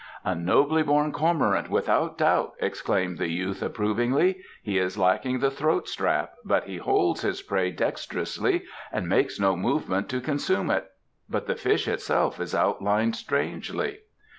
"A nobly born cormorant without doubt," exclaimed the youth approvingly. "He is lacking the throat strap, yet he holds his prey dexterously and makes no movement to consume it. But the fish itself is outlined strangely."